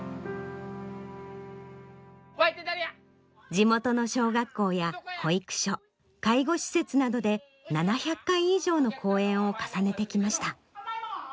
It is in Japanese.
地元の小学校や保育所介護施設などで７００回以上の公演を重ねてきました。